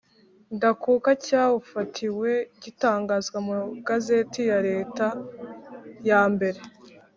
ndakuka cyawufatiwe gitangazwa mu Igazeti ya leta yambere